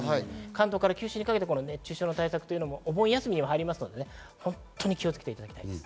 関東から九州にかけて熱中症の対策もお盆休みにも入りますので、本当に気をつけていただきたいです。